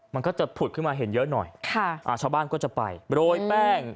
มันก็จะผุดขึ้นมาเห็นเยอะหน่อยค่ะอ่าชาวบ้านก็จะไปโรยแป้ง